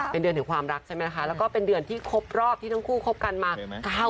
เป็นเดือนถึงความรักใช่ไหมคะแล้วก็เป็นเดือนที่ครบรอบที่ทั้งคู่คบกันมา